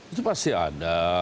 itu pasti ada